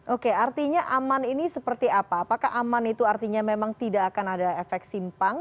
oke artinya aman ini seperti apa apakah aman itu artinya memang tidak akan ada efek simpang